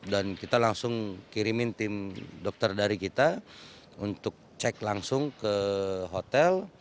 dan kita langsung kirimin tim dokter dari kita untuk cek langsung ke hotel